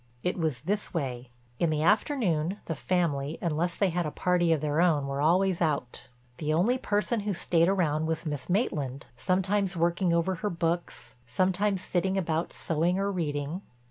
It was this way: In the afternoon the family, unless they had a party of their own, were always out. The only person who stayed around was Miss Maitland, sometimes working over her books, sometimes sitting about sewing or reading.